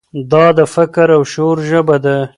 دا د فکر او شعور ژبه ده.